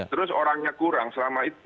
terus orangnya kurang selama itu